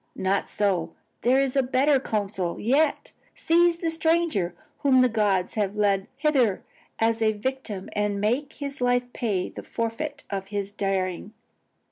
Not so, there is a better counsel yet; seize the stranger whom the gods have led hither as a victim and make his life pay the forfeit of his daring.